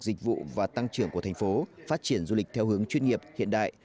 dịch vụ và tăng trưởng của thành phố phát triển du lịch theo hướng chuyên nghiệp hiện đại